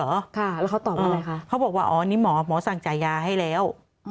แล้วเขาตอบอะไรคะเขาบอกว่าอ๋อนี่หมอหมอสั่งจ่ายยาให้แล้ว